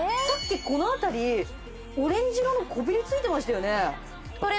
さっきこの辺りオレンジ色のこびり付いてましたよね？